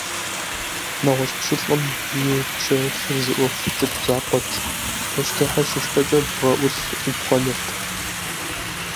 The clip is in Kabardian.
НэгъуэщӀ пщылӏым и пщэрылъыр зы Ӏуэху цӀыкӀу закъуэт - пащтыхьыр щышхэкӀэ бгъэӀулъ Ӏуипхъуэнырт.